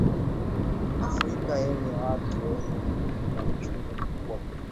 Afrika yenye watu wengi na uchumi mkubwa kuliko